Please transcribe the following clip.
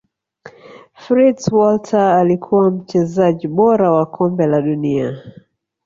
fritz walter alikuwa mchezaji bora wa kombe la dunia